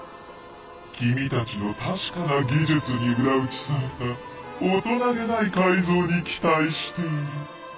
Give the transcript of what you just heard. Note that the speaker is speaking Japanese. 君たちの確かな技術に裏打ちされた大人気ない改造に期待している。